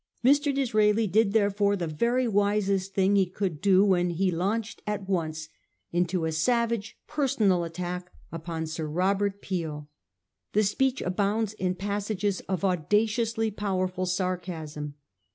Mr. Disraeli did therefore the very wisest thing he could do when he launched at once into a savage personal attack upon Sir Bobert Peel. The speech abounds in passages of audaciously powerful sarcasm.